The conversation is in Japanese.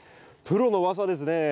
プロの技ですね。